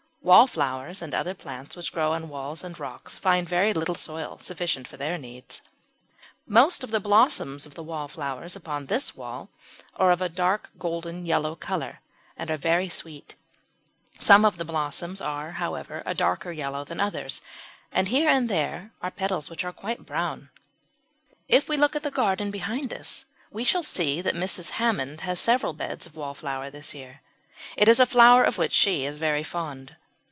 Wallflowers and other plants which grow on walls and rocks find very little soil sufficient for their needs. Most of the blossoms of the wallflowers upon this wall are of a golden yellow colour and are very sweet. Some of the blossoms are, however, a darker yellow than others, and here and there are petals which are quite brown. If we look at the garden behind us we shall see that Mrs. Hammond has several beds of Wallflower this year; it is a flower of which she is very fond.